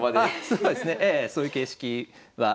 そうですねええそういう形式は。